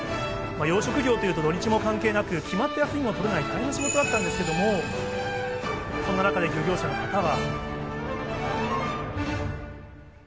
養殖業というと土日も関係なく決まった休みが取れない大変な仕事だったんですけど、そんな中で漁業者の方は。